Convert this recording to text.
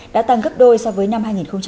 đã tăng gấp đôi so với năm hai nghìn một mươi tám